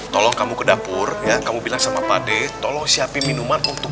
tolong kamu ke dapur ya kamu bilang sama pade tolong siapin minuman untuk